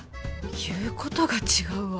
言うことが違うわ。